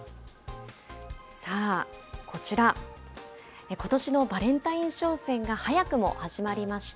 さあ、こちら、ことしのバレンタイン商戦が早くも始まりました。